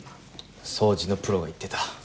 掃除のプロが言ってた。